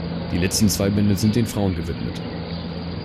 Die letzten zwei Bände sind den Frauen gewidmet.